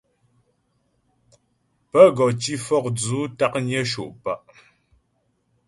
Pə́ gɔ tǐ fɔkdzʉ̌ taknyə sho' pǎ'.